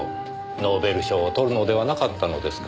ノーベル賞を獲るのではなかったのですか？